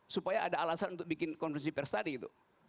supaya ada alasan untuk bikin konversi pers tadi gitu